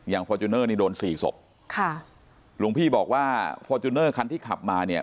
ฟอร์จูเนอร์นี่โดนสี่ศพค่ะหลวงพี่บอกว่าฟอร์จูเนอร์คันที่ขับมาเนี่ย